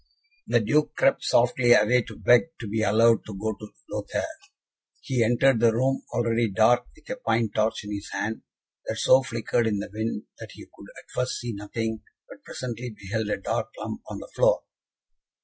The Duke crept softly away to beg to be allowed to go to Lothaire; he entered the room, already dark, with a pine torch in his hand, that so flickered in the wind, that he could at first see nothing, but presently beheld a dark lump on the floor.